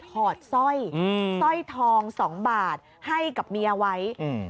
ถอดสร้อยสร้อยทอง๒บาทให้กับเมียไว้